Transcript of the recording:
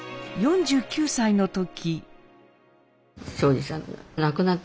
４９歳の時。